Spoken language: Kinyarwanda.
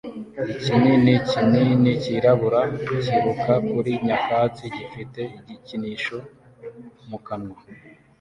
Ikinini kinini cyirabura kiruka kuri nyakatsi gifite igikinisho mu kanwa